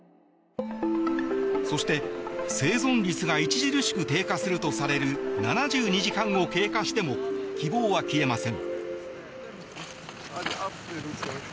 そして、生存率が著しく低下するとされる７２時間を経過しても希望は消えません。